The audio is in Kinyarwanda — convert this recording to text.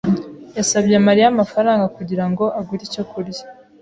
yasabye Mariya amafaranga kugira ngo agure icyo kurya.